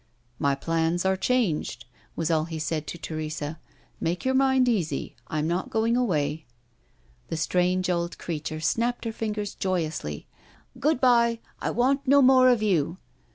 "My plans are changed," was all he said to Teresa. "Make your mind easy; I'm not going away." The strange old creature snapped her fingers joyously. "Good bye! I want no more of you."